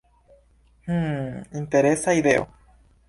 Hm, interesa ideo.